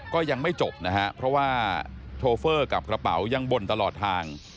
ก็ยังไม่จบนะฮะเพราะว่าโชเฟอร์กับกระเป๋ายังบ่นตลอดทาง